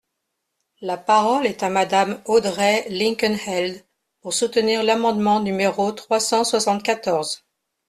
La parole est à Madame Audrey Linkenheld, pour soutenir l’amendement numéro trois cent soixante-quatorze.